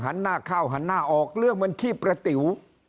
หันหน้าเข้าหันหน้าออกเลือกเหมือนขี้ประติ๋ว